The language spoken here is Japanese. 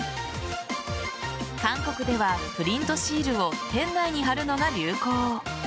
韓国では、プリントシールを店内に貼るのが流行。